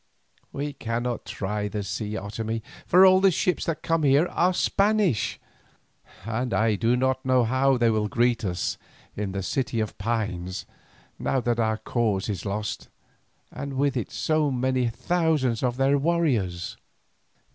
"We cannot try the sea, Otomie, for all the ships that come here are Spanish, and I do not know how they will greet us in the City of Pines now that our cause is lost, and with it so many thousands of their warriors."